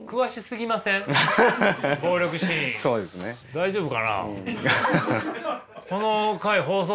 大丈夫かな。